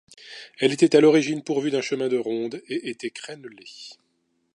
Elle était à l'origine pourvue d'un chemin de ronde et était crénelée.